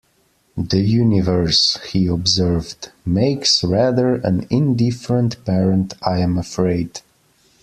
"The universe," he observed, "makes rather an indifferent parent, I am afraid."